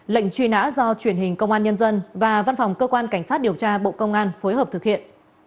lệnh truy nã do truyền hình công an nhân dân và văn phòng cơ quan cảnh sát điều tra bộ công an phối hợp thực hiện